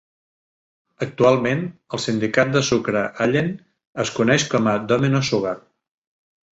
Actualment, el sindicat de sucre Allen es coneix com a Domino Sugar.